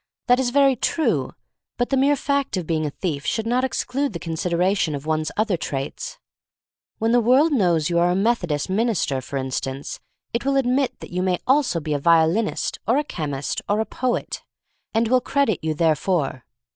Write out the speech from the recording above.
That is very true. But the mere fact of being a thief should not exclude the considera tion of one's other traits. When the world knows you are a Methodist min ister, for instance, it will admit that you may also be a violinist, or a chemist, or a poet, and will credit you therefor.